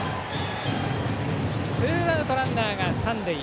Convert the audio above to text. ツーアウトランナーが三塁。